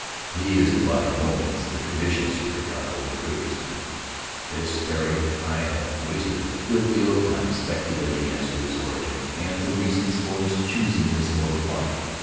He is by no means the traditional supercargo of a trading schooner, this Tari; I have wasted a good deal of time speculating as to his origin and the reasons for his choosing this mode of life.